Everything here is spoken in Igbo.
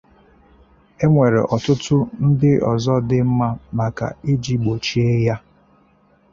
Enwere ọtụtụ ndịọzọ dị mma maka iji gbochie ya.